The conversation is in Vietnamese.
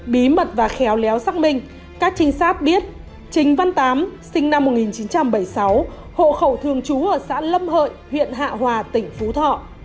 bí mật và khéo léo xác minh các trinh sát biết trình văn tám sinh năm một nghìn chín trăm bảy mươi sáu hộ khẩu thường trú ở xã lâm hợi huyện hạ hòa tỉnh phú thọ